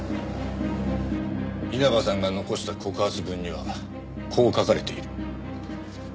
稲葉さんが残した告発文にはこう書かれている。